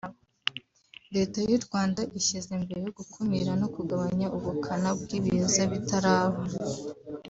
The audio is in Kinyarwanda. Leta y’u Rwanda ishyize imbere gukumira no kugabanya ubukana bw’ibiza bitaraba